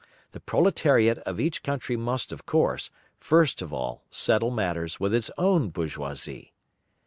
The proletariat of each country must, of course, first of all settle matters with its own bourgeoisie.